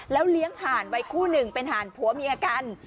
เลี้ยงห่านไว้คู่หนึ่งเป็นห่านผัวเมียกัน